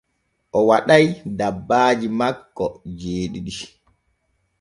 O waɗay dabbaaji makko jeeɗiɗi.